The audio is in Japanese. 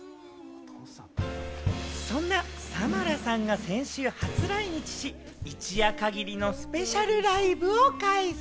そんなサマラさんが先週初来日し、一夜限りのスペシャルライブを開催。